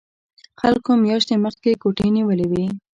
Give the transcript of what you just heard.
خلکو میاشتې مخکې کوټې نیولې وي